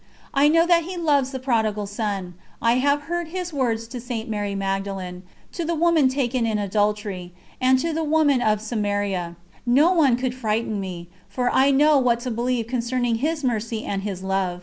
I know that He loves the Prodigal Son, I have heard His words to St. Mary Magdalen, to the woman taken in adultery, and to the woman of Samaria. No one could frighten me, for I know what to believe concerning His Mercy and His Love.